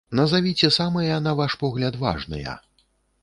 Назавіце самыя, на ваш погляд, важныя.